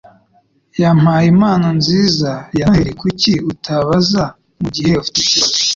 yampaye impano nziza ya Noheri. Kuki utabaza mugihe ufite ikibazo?